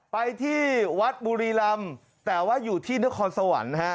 ไปที่วัดบุรีรำแต่ว่าอยู่ที่นครสวรรค์ฮะ